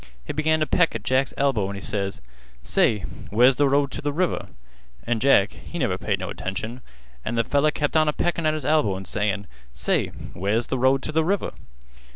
He began t' peck at Jack's elbow, an' he ses: 'Say, where's th' road t' th' river?' An' Jack, he never paid no attention, an' th' feller kept on a peckin' at his elbow an' sayin': 'Say, where's th' road t' th' river?